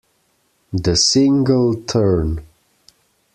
The single, Turn!